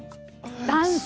ダンス。